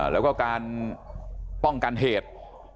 แล้วก็การป้องกันเหตุ